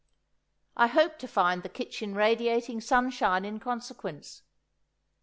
I hoped to find the kitchen radiating sunshine in consequence.